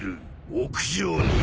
屋上に。